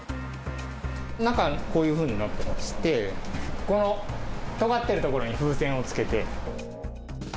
中、こういうふうになってまして、このとがってる所に風船をつけて。